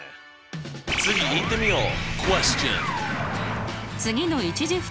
次いってみよう！